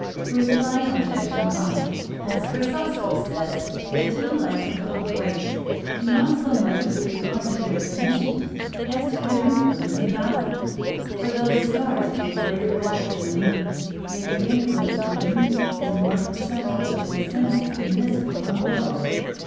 Reply Obj. 5: As Chrysostom says, the two lights are called great, not so much with regard to their dimensions as to their influence and power. For though the stars be of greater bulk than the moon, yet the influence of the moon is more perceptible to the senses in this lower world.